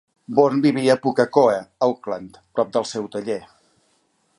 Bourne vivia a Pukekohe, Auckland, prop del seu taller.